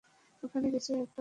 ওখানে কিছু একটা গড়বড় হয়েছে।